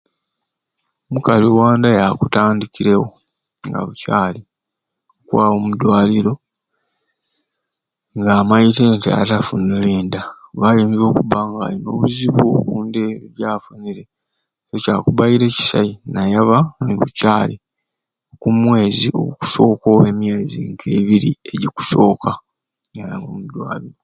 Omukali wa'anda yakutandikire nga bukyali okwaba omu ddwaliro nga amaite nti ati afunire enda kuba ainza okubba nga alina obuzibu ku nda gyafunire kyakubaire kisai nayaba ni bukyali ku mwezi ogukusooka oba emyezi nk'ebiri egikusooka nayaba omu ddwaliro.